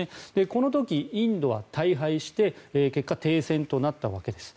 この時、インドは大敗して結果、停戦となったわけです。